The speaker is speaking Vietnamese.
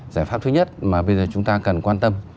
giải pháp thứ nhất mà bây giờ chúng ta cần quan tâm